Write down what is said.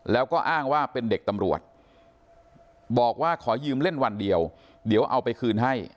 แล้วก็อ้างว่าเป็นเด็กตำรวจบอกว่าขอยืมเล่นวันเดียวเดี๋ยวเอาไปคืนให้